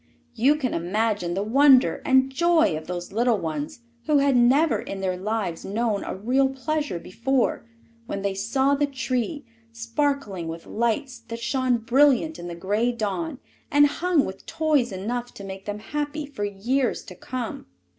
You can imagine the wonder and joy of those little ones, who had never in their lives known a real pleasure before, when they saw the tree, sparkling with lights that shone brilliant in the gray dawn and hung with toys enough to make them happy for years to come!